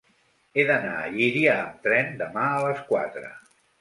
He d'anar a Llíria amb tren demà a les quatre.